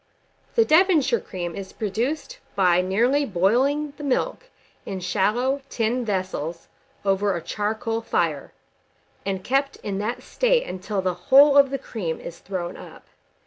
The Devonshire cream is produced by nearly boiling the milk in shallow tin vessels over a charcoal fire, and kept in that state until the whole of the cream is thrown up.